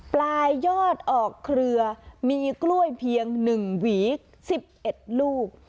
ปลายยอดออกเครือมีกล้วยเพียง๑หวี๑๑ลูก